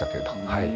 はい。